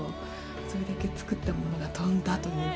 それだけ作ったものが飛んだということで。